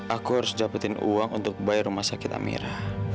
aku harus dapetin uang untuk bayar rumah sakit amira